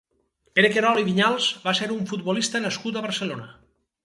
Pere Querol i Vinyals va ser un futbolista nascut a Barcelona.